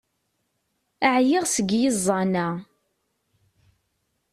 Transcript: Ɛyiɣ seg yiẓẓan-a!